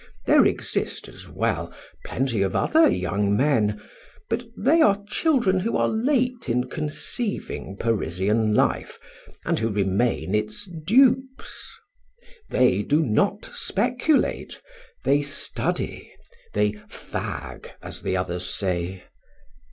There exist, as well, plenty of other young men, but they are children who are late in conceiving Parisian life, and who remain its dupes. They do not speculate, they study; they fag, as the others say.